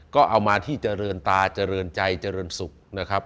ก็เอามาที่เจริญตาเจริญใจเจริญสุขนะครับ